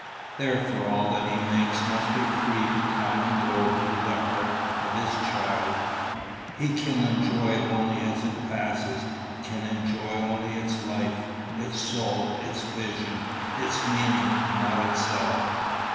Therefore all that he makes must be free to come and go through the heart of his child; he can enjoy it only as it passes, can enjoy only its life, its soul, its vision, its meaning, not itself.